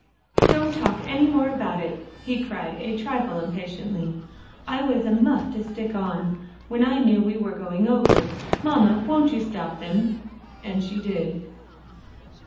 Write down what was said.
"Don't talk any more about it," he cried a trifle impatiently. "I was a muff to stick on, when I knew we were going over. Mamma, won't you stop them?" And she did.